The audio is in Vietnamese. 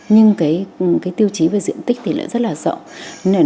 nhưng cái tiêu chí về diện tích thì lại rất là rộng